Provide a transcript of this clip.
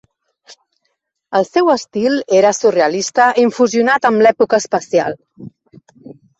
El seu estil era surrealista i infusionat amb l'època espacial.